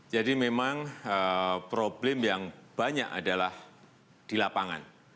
jadi memang problem yang banyak adalah di lapangan